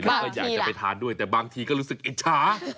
แล้วก็อยากจะไปทานด้วยแต่บางทีก็รู้สึกอิจฉา